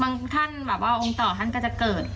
ท่านแบบว่าองค์ต่อท่านก็จะเกิด